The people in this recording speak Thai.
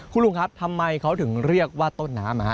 คุณลุงครับทำไมเขาถึงเรียกว่าต้นน้ำ